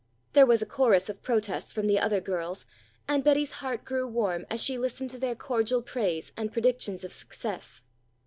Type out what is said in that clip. There was a chorus of protests from the other girls, and Betty's heart grew warm as she listened to their cordial praise and predictions of success.